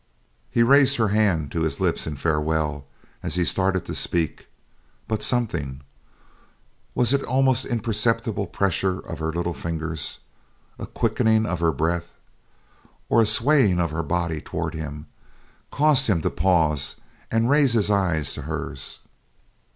He raised her hand to his lips in farewell as he started to speak, but something—was it an almost imperceptible pressure of her little fingers, a quickening of her breath or a swaying of her body toward him?—caused him to pause and raise his eyes to hers.